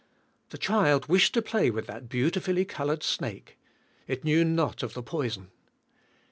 The child wished to play with that beautifully colored snake. It knew not of the poison.